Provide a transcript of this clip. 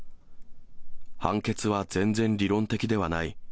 判決は全然理論的ではない。